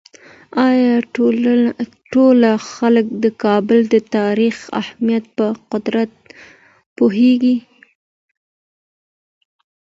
آیا ټول خلک د کابل د تاریخي اهمیت په قدر پوهېږي؟